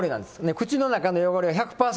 口の中の汚れが１００％